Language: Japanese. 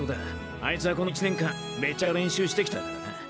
あいつはこの１年間めちゃくちゃ練習してきたんだからな。